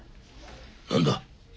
何だ？